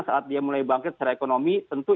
saat dia mulai bangkit secara ekonomi tentu